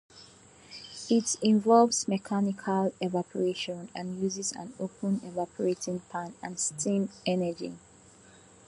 It involves mechanical evaporation and uses an open evaporating pan and steam energy.